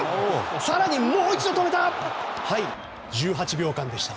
更にもう一度止めた！